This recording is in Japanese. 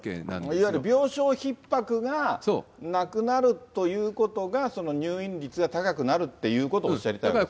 いわゆる病床ひっ迫がなくなるということが、その入院率が高くなるということをおっしゃりたいわけですね。